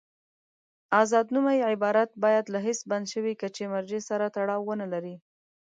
آزاد نومي عبارت باید له هېڅ بند شوي کچې مرجع سره تړاو ونلري.